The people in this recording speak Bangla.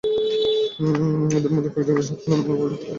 এদের মধ্যে কয়েকজনকে সাত খুনের মামলার অভিযোগপত্র থেকে বাদ দিয়েছে পুলিশ।